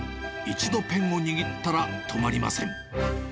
一度ペンを握ったら、止まりません。